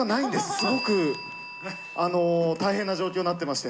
すごく大変な状況になってまして。